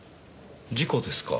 事故ですか。